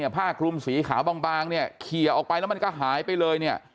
ผ้ากลุมสีขาวบางเขียวออกไปแล้วมันก็หายไปเลย